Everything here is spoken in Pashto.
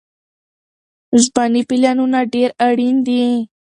ژبني پلانونه ډېر اړين دي.